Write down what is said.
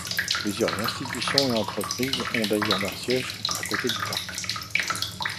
Plusieurs institutions, et entreprises ont d'ailleurs leurs siège à côté du parc.